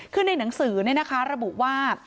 คือในหนังสือระบุว่า